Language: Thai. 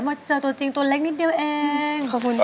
มาเจอตัวจริงตัวเล็กนิดเดียวเอง